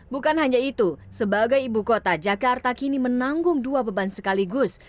bukan hanya itu sebagai ibu kota jakarta kini menanggung dua beban sekaligus